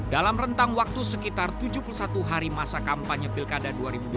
dalam rentang waktu sekitar tujuh puluh satu hari masa kampanye pilkada dua ribu dua puluh